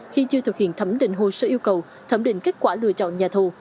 khi chưa thực hiện thẩm định hồ sơ yêu cầu thẩm định kết quả lựa chọn nhà thầu